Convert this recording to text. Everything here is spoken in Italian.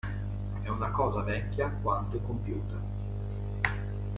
È una cosa vecchia quanto i computer.